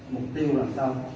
mục tiêu làm sao